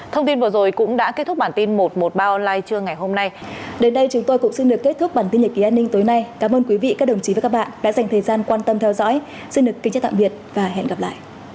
thông tin vừa rồi cũng đã kết thúc bản tin một trăm một mươi ba online trưa ngày hôm nay